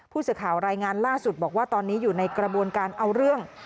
ผู้สื่อข่าวรายงานล่าสุดบอกว่าตอนนี้อยู่ในกระบวนการเอาเรื่อง